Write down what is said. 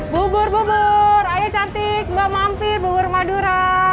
bubur bubur ayo cantik mbak mampir bubur madura